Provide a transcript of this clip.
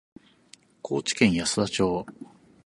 高知県安田町